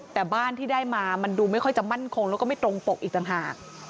แต่บ้านที่ได้มามันดูไม่ค่อยจะมั่นคงแล้วก็ไม่ตรงปกอีกต่างหาก